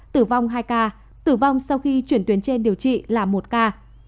tử vong hai ca tử vong sau khi chuyển tuyến trên điều trị là một ca